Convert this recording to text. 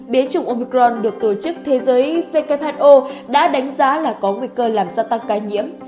biến chủng omicron được tổ chức thế giới who đã đánh giá là có nguy cơ làm gia tăng ca nhiễm